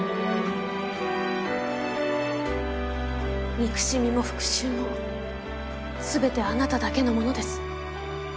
憎しみも復讐も全てあなただけの物です。